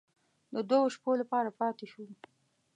د دوو شپو لپاره پاتې شوو.